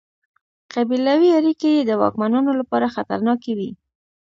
قبیلوي اړیکې یې د واکمنانو لپاره خطرناکې وې.